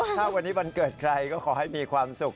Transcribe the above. ถ้าวันนี้วันเกิดใครก็ขอให้มีความสุข